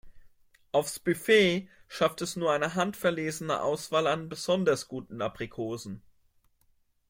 Aufs Buffet schafft es nur eine handverlesene Auswahl an besonders guten Aprikosen.